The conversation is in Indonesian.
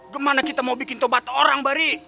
gimana kita mau bikin tobat orang bari